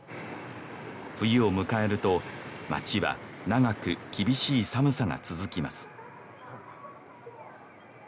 冬を迎えると街は長く厳しい寒さが続きます